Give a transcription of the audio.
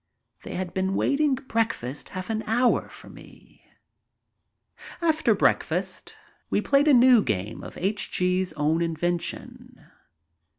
They had been waiting breakfast half an hour for me. After breakfast we played a new game of H. G.'s own invention.